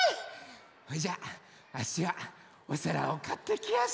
それじゃああっしはおさらをかってきやす。